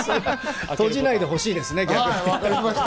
閉じないでほしいです。